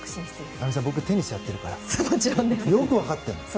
ヒロドさん、僕テニスやっているからすごい分かってるの。